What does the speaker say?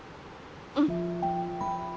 うん。